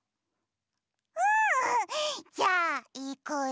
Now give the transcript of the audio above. うん！じゃあいくよ！